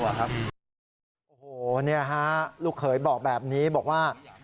โอ้โฮลูกเคยบอกแบบนี้บอกว่า